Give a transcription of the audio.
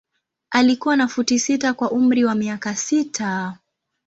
Alikuwa na futi sita kwa umri wa miaka sita.